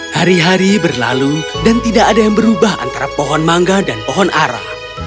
hari hari berlalu dan tidak ada yang berubah antara pohon mangga dan pohon arah